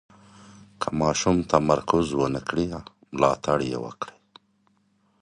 که ماشوم تمرکز ونه کړي، ملاتړ یې وکړئ.